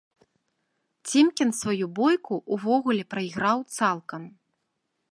Цімкін сваю бойку ўвогуле праіграў цалкам.